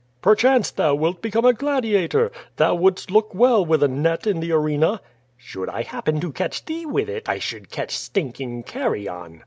"Perchance thou wilt become a gladiator. Thou wouldst look well with a net in the arena." "Should I happen to catch thee with it, I should catch stinking carrion."